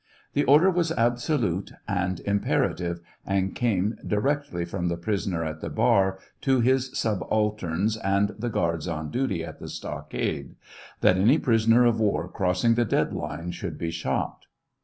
The oi'der was absolute and imperative, and came directly from the prisoner at the bar to his subalterns and the guards on duty at the stockade, tbat any prisoner of war crossing the dead line should be shot.